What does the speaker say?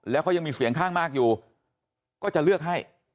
แล้วเขายังมีเสียงข้างมากอยู่ก็จะเลือกให้